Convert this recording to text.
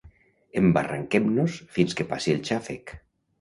Embarraquem-nos fins que passi el xàfec!